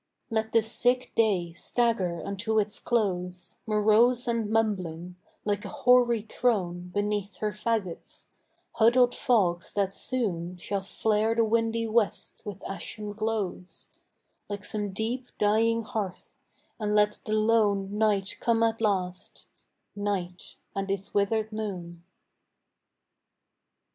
Let the sick day stagger unto its close, Morose and mumbling, like a hoary crone Beneath her faggots huddled fogs that soon Shall flare the windy west with ashen glows, Like some deep, dying hearth; and let the lone Night come at last night, and its withered moon.